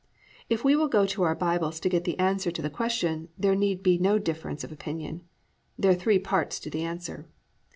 If we will go to our Bibles to get the answer to the question there need be no difference of opinion. There are three parts to the answer.